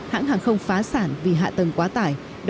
hãng hàng không phá sản vì hạ tầng quá tải